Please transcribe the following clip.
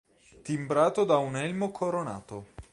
Timbrato da un elmo coronato.